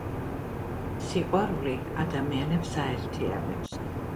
სიყვარული ადამიანებს აერთიანებს.